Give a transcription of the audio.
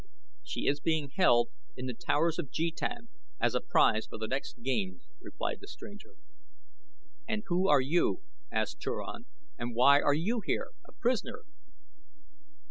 "She is being held in The Towers of Jetan as a prize for the next games," replied the stranger. "And who are you?" asked Turan. "And why are you here, a prisoner?"